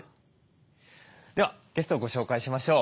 ではゲストをご紹介しましょう。